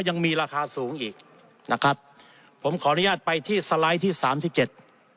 ยังมีราคาสูงอีกนะครับผมขออนุญาตไปที่สไลด์ที่สามสิบเจ็ด